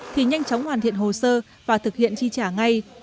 thì nhanh chóng hoàn thiện hồ sơ và thực hiện chi trả ngay